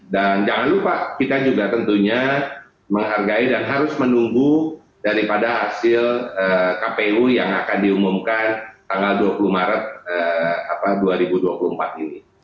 dan jangan lupa kita juga tentunya menghargai dan harus menunggu daripada hasil kpu yang akan diumumkan tanggal dua puluh maret dua ribu dua puluh empat ini